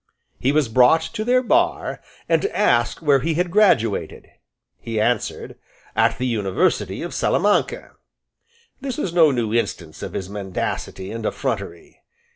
He was brought to their bar, and asked where he had graduated. He answered, "At the university of Salamanca." This was no new instance of his mendacity and effrontery.